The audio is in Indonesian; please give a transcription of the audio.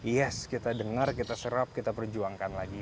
yes kita dengar kita serap kita perjuangkan lagi